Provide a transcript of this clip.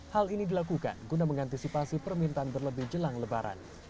hal ini dilakukan guna mengantisipasi permintaan berlebih jelang lebaran